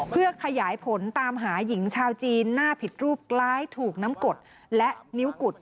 เพื่อขยายผลตามหาหญิงชาวจีนหน้าผิดรูปคล้ายถูกน้ำกดและนิ้วกุด